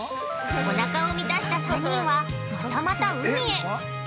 ◆おなかを満たした３人はまたまた海へ。